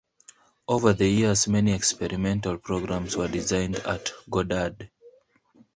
Over the years many experimental programs were designed at Goddard.